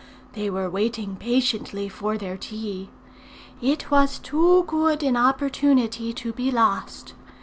They were waiting patiently for their tea. It was too good an opportunity to be lost.